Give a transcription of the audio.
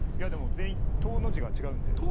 でも全員「トウ」の字が違うんで。